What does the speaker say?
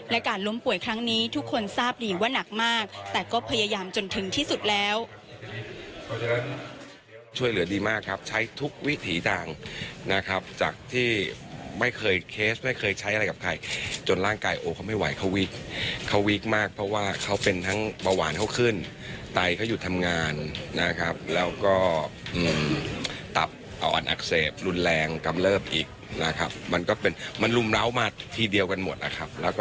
และการล้มป่วยครั้งนี้ทุกคนทราบดีว่านักมากแต่ก็พยายามจนถึงที่สุดแล้ว